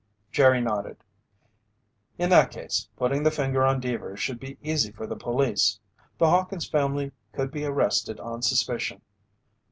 Jerry nodded. "In that case, putting the finger on Deevers should be easy for the police. The Hawkins family could be arrested on suspicion.